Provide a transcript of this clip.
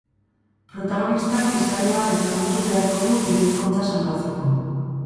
Protagonistak eskale bat ezagutu beharko du bere ezkontza salbatzeko.